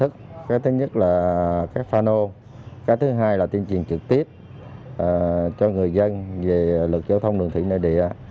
cái thứ nhất là các pha nô cái thứ hai là tuyên truyền trực tiếp cho người dân về luật giao thông đường thủy nội địa